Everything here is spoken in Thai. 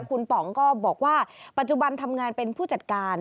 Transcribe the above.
คุณป๋องก็บอกว่าปัจจุบันทำงานเป็นผู้จัดการ